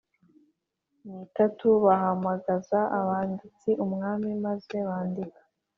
N itatu bahamagaza abanditsi umwami maze bandika